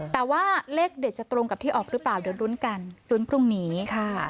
แต่ว่าเลขเด็ดจะตรงกับที่ออกหรือเปล่าเดี๋ยวรุ้นกันรุ้นพรุ่งนี้ค่ะ